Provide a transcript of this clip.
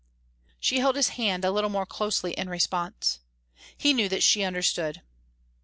She held his hand a little more closely in response. He knew that she understood.